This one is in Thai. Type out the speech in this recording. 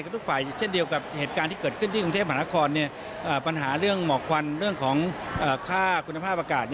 ทุกฝ่ายเช่นเดียวกับเหตุการณ์ที่เกิดขึ้นที่กรุงเทพมหานครปัญหาเรื่องหมอกควันเรื่องของค่าคุณภาพอากาศ